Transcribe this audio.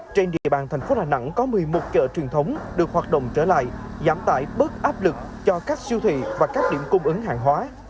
trên địa bàn thành phố đà nẵng có một mươi một chợ truyền thống được hoạt động trở lại giảm tải bớt áp lực cho các siêu thị và các điểm cung ứng hàng hóa